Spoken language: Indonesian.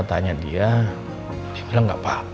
tanya dia dia bilang nggak apa apa